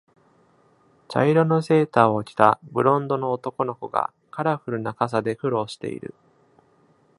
茶色のセーターを着たブロンドの男の子がカラフルな傘で苦労している。